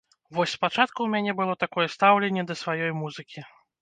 Вось спачатку ў мяне было такое стаўленне да сваёй музыкі.